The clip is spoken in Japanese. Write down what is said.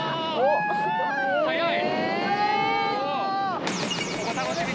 速い。